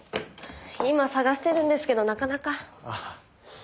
今探してるんですけどなかなか。